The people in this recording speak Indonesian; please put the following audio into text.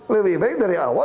lebih baik dari awal